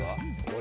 俺？